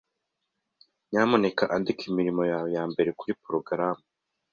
Nyamuneka andika imirimo yawe yambere kuri porogaramu.